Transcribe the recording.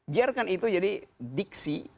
biarkan itu jadi diksi